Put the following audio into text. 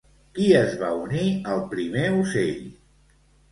Qui es va unir al primer ocell?